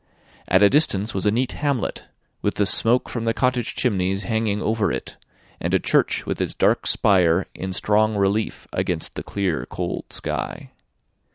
At a distance was a neat hamlet, with the smoke from the cottage chimneys hanging over it; and a church with its dark spire in strong relief against the clear, cold sky.